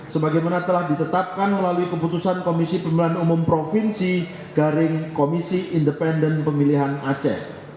sebagaimana telah ditetapkan melalui keputusan komisi pemilihan umum provinsi garing komisi independen pemilihan aceh